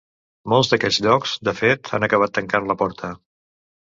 Molts d’aquests llocs, de fet, han acabat tancant la porta.